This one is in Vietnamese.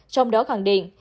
trong đó khẳng định